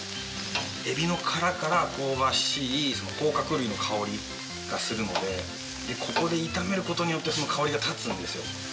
エビの殻から香ばしい甲殻類の香りがするのでここで炒める事によってその香りが立つんですよ。